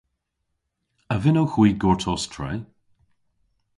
A vynnowgh hwi gortos tre?